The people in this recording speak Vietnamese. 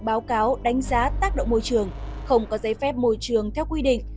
báo cáo đánh giá tác động môi trường không có giấy phép môi trường theo quy định